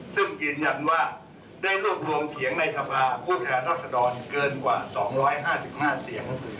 ซึ่งยืนยันว่าได้รูปรวงเถียงในทภาพผู้แทนรัศดรเกินกว่าสองร้อยห้าสิบห้าเสียง